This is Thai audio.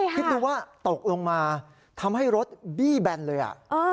คิดดูว่าตกลงมาทำให้รถบี้แบนเลยอ่ะ